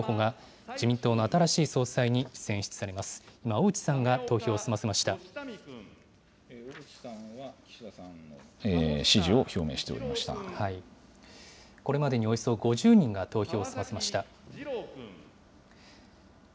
これまでにおよそ５０人が投票を済ませました。